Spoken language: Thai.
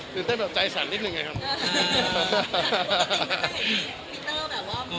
ตื่นเต้นแบบใจสันนิดนึงยังไงครับ